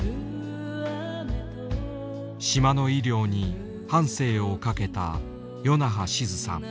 島の医療に半生を懸けた与那覇しづさん。